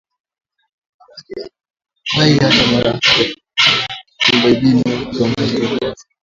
Hawajawahi hata mara moja kuomba idhini au kutoa tangazo kwa polisi